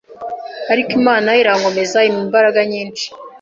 ariko Imana irankomeza impa imbaraga nyinshi